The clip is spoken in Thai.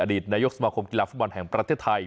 ดีตนายกสมาคมกีฬาฟุตบอลแห่งประเทศไทย